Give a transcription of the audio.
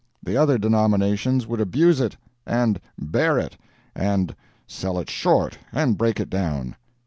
The other denominations would abuse it, and "bear" it, and "sell it short," and break it down.